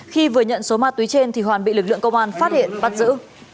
khi vừa nhận số ma túy trên thì hoàn bị lực lượng công an phát hiện bắt giữ